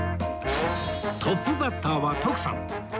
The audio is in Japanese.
トップバッターは徳さん